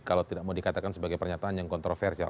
kalau tidak mau dikatakan sebagai pernyataan yang kontroversial